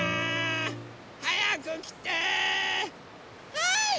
はい！